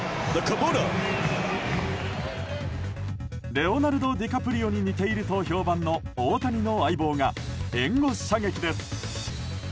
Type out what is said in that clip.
レオナルド・ディカプリオに似ていると評判の大谷の相棒が援護射撃です。